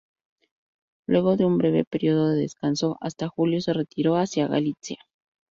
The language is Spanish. Luego de un breve periodo de descanso hasta julio, se retiró hacia Galitzia.